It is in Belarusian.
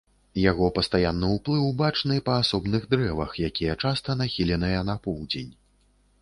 Яго пастаянны ўплыў бачны па асобных дрэвах, якія часта нахіленыя на поўдзень.